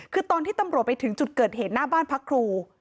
คือตอนที่ตำรวจไปถึงจุดเกิดเหตุหน้าบ้านพักครู